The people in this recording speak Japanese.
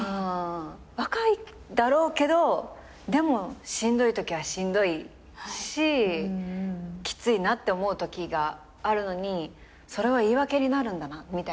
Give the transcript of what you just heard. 若いだろうけどでもしんどいときはしんどいしきついなって思うときがあるのにそれは言い訳になるんだなみたいな。